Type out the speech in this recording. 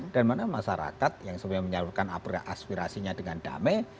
dan mana masyarakat yang sebenarnya menyalurkan aspirasinya dengan damai